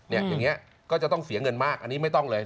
อย่างนี้ก็จะต้องเสียเงินมากอันนี้ไม่ต้องเลย